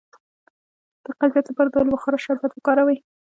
د قبضیت لپاره د الو بخارا شربت وکاروئ